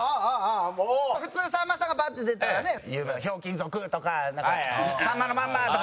普通さんまさんがバッて出たらね有名な『ひょうきん族』とか『さんまのまんま』とか。